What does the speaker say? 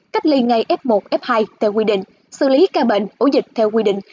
cách ly ngay f một f hai theo quy định xử lý ca bệnh ấu dịch theo quy định